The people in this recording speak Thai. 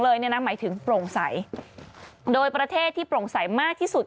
หมายถึงโปร่งใสโดยประเทศที่โปร่งใสมากที่สุด